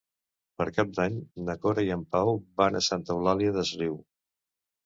Per Cap d'Any na Cora i en Pau van a Santa Eulària des Riu.